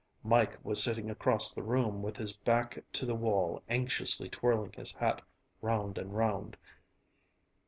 Mike was sitting across the room with his back to the wall anxiously twirling his hat round and round.